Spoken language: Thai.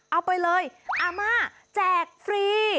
เอาไปเลยอาม่าแจกฟรี